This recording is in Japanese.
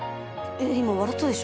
今笑ったでしょ？